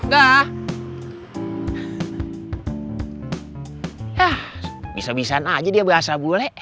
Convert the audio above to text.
ya bisa bisana aja yang bahasa bolek